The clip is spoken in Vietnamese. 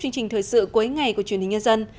chương trình thời sự cuối ngày của truyền hình nhân dân